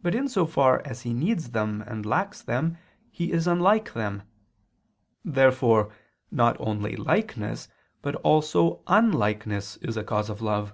But in so far as he needs them and lacks them, he is unlike them. Therefore not only likeness but also unlikeness is a cause of love.